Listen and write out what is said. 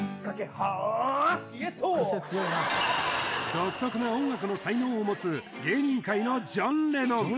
独特な音楽の才能を持つ芸人界のジョン・レノン